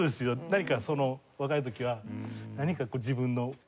何かその若い時は何か自分の形をね